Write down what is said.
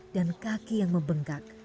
dan kaki yang membengkak